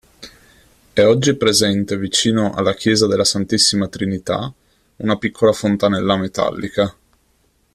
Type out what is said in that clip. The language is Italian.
È oggi presente vicino alla chiesa della Santissima Trinità una piccola fontanella metallica.